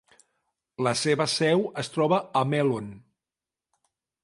La seva seu es troba a Melun.